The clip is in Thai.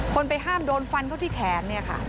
ไปห้ามโดนฟันเขาที่แขนเนี่ยค่ะ